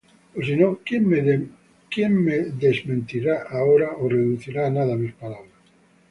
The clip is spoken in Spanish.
Y si no, ¿quién me desmentirá ahora, O reducirá á nada mis palabras?